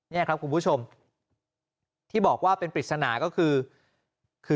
นี่ครับคุณผู้ชมที่บอกว่าเป็นปริศนาก็คือ